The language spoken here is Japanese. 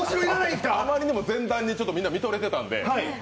あまりにも前段にみんなみとれてたんで。